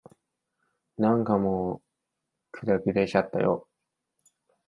なんかもう、くたびれちゃったよ。